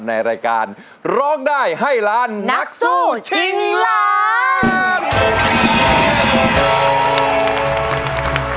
ในรายการร้องได้ให้ล้านนักสู้ชิงล้าน